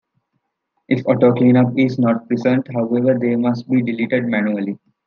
If auto-cleanup is not present, however, they must be deleted manually.